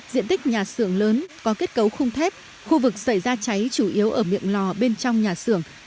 diện tích nhà xưởng lớn có kết cấu khung thép khu vực xảy ra cháy chủ yếu ở miệng lò bên trong nhà xưởng